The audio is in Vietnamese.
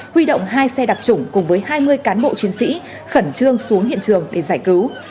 huy động hai xe đặc trủng cùng với hai mươi cán bộ chiến sĩ khẩn trương xuống hiện trường để giải cứu